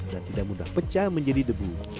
dan tidak mudah pecah menjadi debu